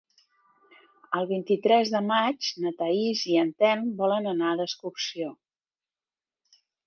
El vint-i-tres de maig na Thaís i en Telm volen anar d'excursió.